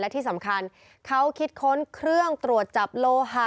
ที่สำคัญเขาคิดค้นเครื่องตรวจจับโลหะ